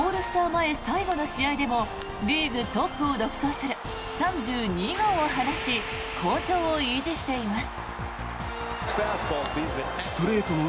前最後の試合でもリーグトップを独走する３２号を放ち好調を維持しています。